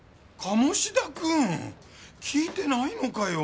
鴨志田君聞いてないのかよ。